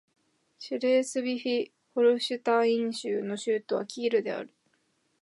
シュレースヴィヒ＝ホルシュタイン州の州都はキールである